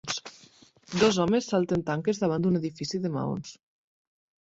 Dos homes salten tanques davant d'un edifici de maons.